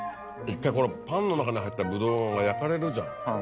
１回このパンの中に入ったぶどうが焼かれるじゃん。